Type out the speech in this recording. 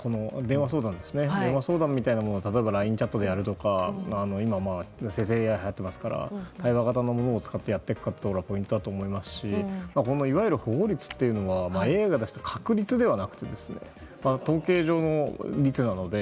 電話相談みたいなものを例えばＬＩＮＥチャットでやるとか今、生成ＡＩも流行っているので対話型のものを使ってやっていくかもポイントだと思いますしいわゆる保護率というのはＡＩが出すのは確率ではなくて統計上の率なので。